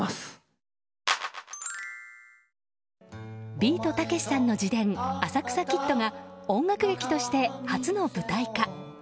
ビートたけしさんの自伝「浅草キッド」が音楽劇として初の舞台化。